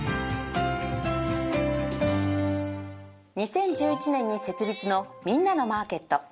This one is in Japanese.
２０１１年に設立のみんなのマーケット